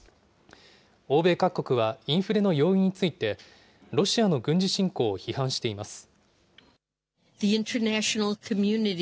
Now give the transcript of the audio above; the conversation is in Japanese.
欧米各国は、インフレの要因について、ロシアの軍事侵攻を批判しています。